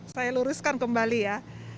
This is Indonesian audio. saya luruskan kembali ya